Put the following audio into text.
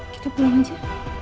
kita pulang aja